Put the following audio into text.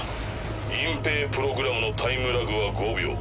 隠蔽プログラムのタイムラグは５秒。